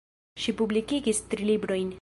Ŝi publikigis tri librojn.